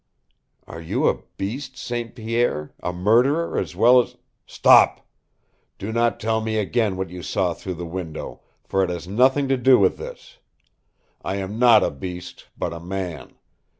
"Are you a beast, St. Pierre a murderer as well as " "Stop! Do not tell me again what you saw through the window, for it has nothing to do with this. I am not a beast, but a man.